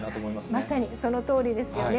まさにそのとおりですよね。